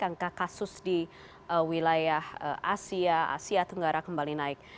angka kasus di wilayah asia asia tenggara kembali naik